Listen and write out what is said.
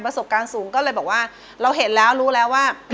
สบการณ์สูงก็เลยบอกว่าเราเห็นแล้วรู้แล้วว่า